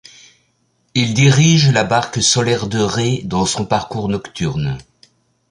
Il dirige la barque solaire de Ré dans son parcours nocturne.